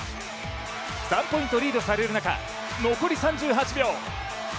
３ポイントリードされる中、残り３８秒。